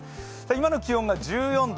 今の気温が１４度。